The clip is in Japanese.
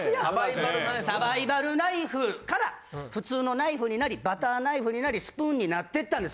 サバイバルナイフから普通のナイフになりバターナイフになりスプーンになってったんです。